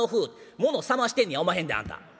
もの冷ましてんねやおまへんであんた。